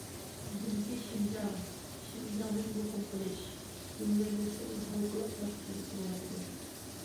بۈگۈنكى شىنجاڭ، شىنجاڭنى مۇقىم قىلىش، گۈللەندۈرۈشنىڭ ھالقىلىق باسقۇچىدا تۇرۇۋاتىدۇ.